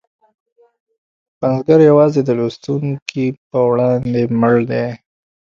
پنځګر یوازې د لوستونکي په وړاندې مړ دی.